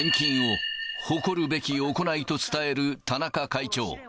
献金を誇るべき行いと伝える田中会長。